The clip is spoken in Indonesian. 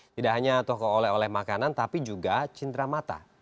tidak hanya toko oleh oleh makanan tapi juga cindera mata